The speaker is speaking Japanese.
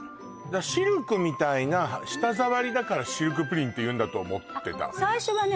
シルクみたいな舌触りだからシルクプリンっていうんだと思ってた最初はね